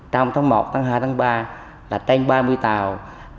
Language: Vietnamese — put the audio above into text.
trong tháng một tháng hai tháng ba là trên ba mươi tàu